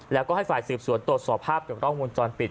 แล้วก็ให้ฝ่ายสืบสวนโดดสอบภาพจากร่องมูลจรปิด